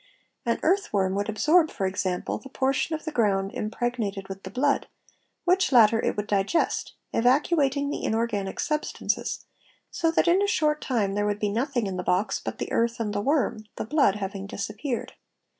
An earth worm would absorb for example, the portion of the ground impregnated with the blood, which latter it would ~ digest, evacuating the inorganic substances, so that in a short time there would be nothing in the box but the earth and the worm, the blood having disappeared.